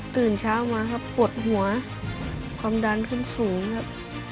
ตื่นเช้ามาครับปวดหัวความดันขึ้นสูงครับ